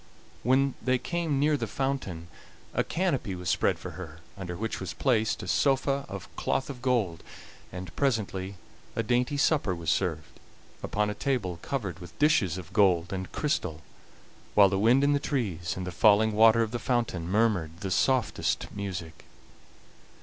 When they came near the fountain a canopy was spread for her, under which was placed a sofa of cloth of gold, and presently a dainty supper was served, upon a table covered with dishes of gold and crystal, while the wind in the trees and the falling water of the fountain murmured the softest music.